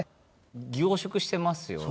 凝縮してますよね。